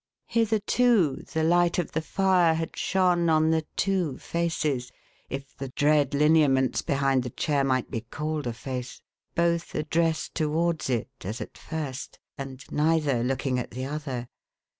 437 Hitherto the light of the fire had shone on the two faces — if the dread lineaments behind the chair might be called a face — both addressed towards it, as at first, and neither look ing at the other.